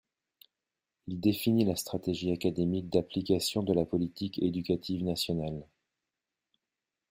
Il définit la stratégie académique d'application de la politique éducative nationale.